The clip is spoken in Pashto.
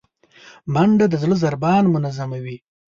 منډه د زړه ضربان منظموي